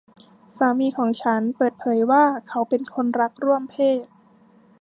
สามีของฉันเปิดเผยว่าเขาเป็นคนรักร่วมเพศ